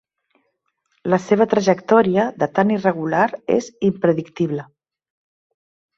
La seva trajectòria, de tan irregular, és impredictible.